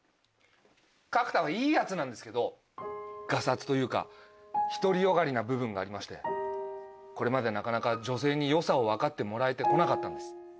角田はいいヤツなんですけどがさつというか独り善がりな部分がありましてこれまでなかなか女性に良さを分かってもらえて来なかったんです。